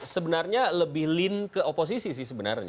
sebenarnya lebih ke opsiisi